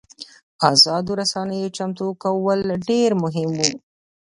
ازادو رسنیو چمتو کول ډېر مهم وو.